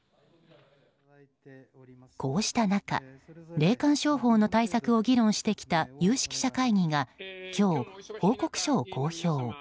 こうした中、霊感商法の対策を議論してきた有識者会議が今日、報告書を公表。